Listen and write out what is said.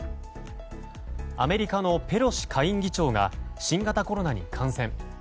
アメリカのペロシ下院議長が新型コロナに感染。